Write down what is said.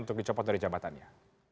untuk dicopot dari jabatannya